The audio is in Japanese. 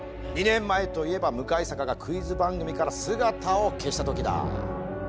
２年前といえば向坂がクイズ番組から姿を消したときだ。